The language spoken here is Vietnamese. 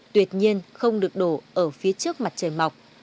tuyệt nhiên không được đổ ở phía trước mặt trời mọc